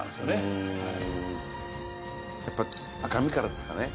やっぱ赤身からですかね。